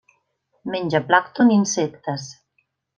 Menja plàncton i insectes.